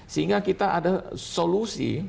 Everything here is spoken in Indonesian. sehingga kita ada solusi